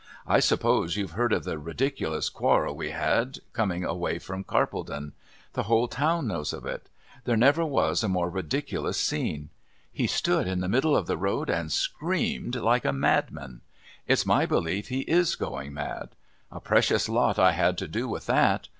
I suppose you've heard of the ridiculous quarrel we had coming away from Carpledon. The whole town knows of it. There never was a more ridiculous scene. He stood in the middle of the road and screamed like a madman. It's my belief he is going mad! A precious lot I had to do with that.